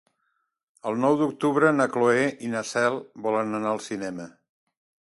El nou d'octubre na Cloè i na Cel volen anar al cinema.